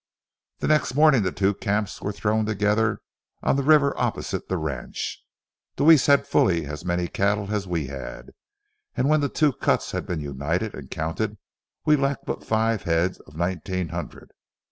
The next morning the two camps were thrown together on the river opposite the ranch. Deweese had fully as many cattle as we had, and when the two cuts had been united and counted, we lacked but five head of nineteen hundred.